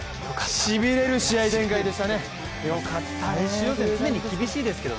しびれる試合展開でしたね。